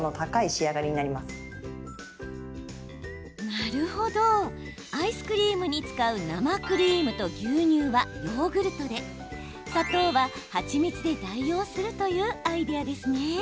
なるほど、アイスクリームに使う生クリームと牛乳はヨーグルトで砂糖は蜂蜜で代用するというアイデアですね。